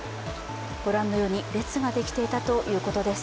ご覧のように列ができていたということです。